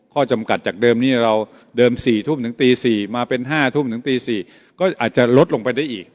จำกัดจากเดิมนี้เราเดิม๔ทุ่มถึงตี๔มาเป็น๕ทุ่มถึงตี๔ก็อาจจะลดลงไปได้อีก